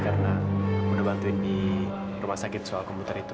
karena udah bantuin di rumah sakit soal kebutar itu